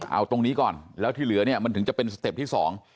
เอาตรงนี้ก่อนแล้วที่เหลือเนี่ยมันถึงจะเป็นสเต็ปที่สอง